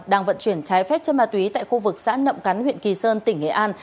đang vận chuyển trái phép chất ma túy tại khu vực xã nậm cắn huyện kỳ sơn tỉnh nghệ an